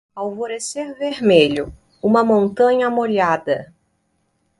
Alvorecer vermelho - uma montanha molhada.